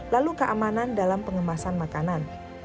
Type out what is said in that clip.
lalu keamanan dalam pengemasan makanan